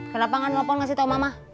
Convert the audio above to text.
kenapa gak nelfon kasih tau mama